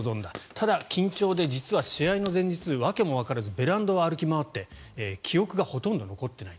ただ、緊張で実は試合の前日訳もわからずベランダを歩き回って記憶がほとんど残っていない。